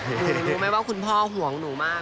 เห็นไหมว่าคุณพ่อห่วงหนูมาก